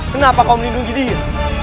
kenapa kau melindungi dia